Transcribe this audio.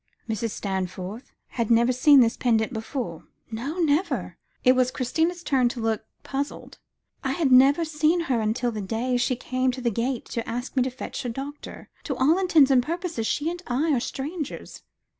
"Mrs. Stanforth had never seen this pendant before?" "No; never," it was Christina's turn to look puzzled. "I had never seen her until the day she came out to the gate to ask me to fetch a doctor. To all intents and purposes she and I are strangers."